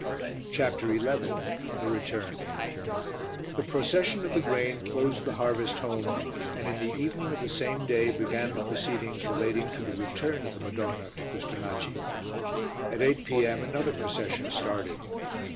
CHAPTER XI THE RETURN The procession of the grain closed the harvest home and in the evening of the same day began the proceedings relating to the Return of the Madonna to Custonaci. At 8 p.m. another procession started.